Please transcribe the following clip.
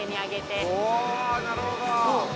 ◆お、なるほど。